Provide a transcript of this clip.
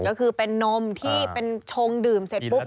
ก็คือเป็นนมที่เป็นชงดื่มเสร็จปุ๊บ